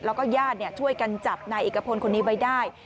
แล้วก็ญาติช่วยกันจับนายเอกพลคนนี้ไว้ได้